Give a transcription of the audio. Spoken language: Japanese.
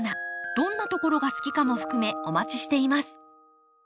どんなところが好きかも含めお待ちしています。